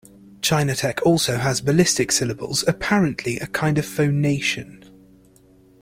Chinantec also has ballistic syllables, apparently a kind of phonation.